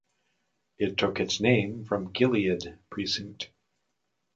It took its name from Gilead Precinct.